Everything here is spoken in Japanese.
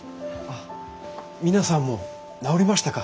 皆さんも治りましたか。